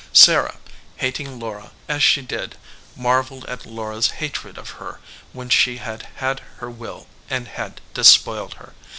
Sarah, hating "Laura, as she did, marveled at Laura s hatred of her when she had had her will and had despoiled her.